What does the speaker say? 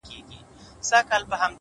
د حقیقت منل ځواک دی